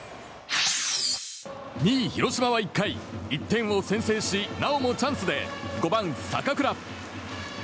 ２位、広島は１回１点を先制しなおもチャンスで５番、坂倉。